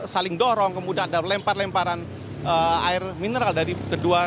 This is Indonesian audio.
saling dorong kemudian ada lempar lemparan air mineral dari kedua